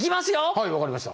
はい分かりました。